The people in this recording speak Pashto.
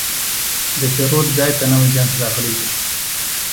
د پیرود ځای ته نوی جنس راغلی و.